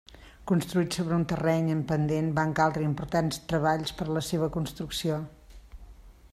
Construït sobre un terreny en pendent, van caldre importants treballs per a la seva construcció.